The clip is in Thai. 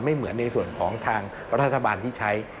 เหมือนในส่วนของทางรัฐบาลที่ใช้